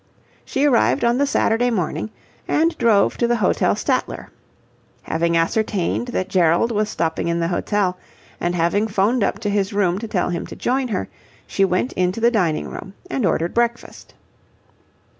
She arrived on the Saturday morning and drove to the Hotel Statler. Having ascertained that Gerald was stopping in the hotel and having 'phoned up to his room to tell him to join her, she went into the dining room and ordered breakfast.